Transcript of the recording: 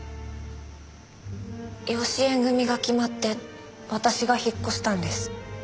養子縁組が決まって私が引っ越したんです。